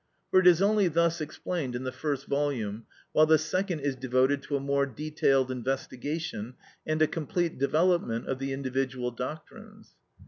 For it is only thus explained in the first volume, while the second is devoted to a more detailed investigation and a complete development of the individual doctrines.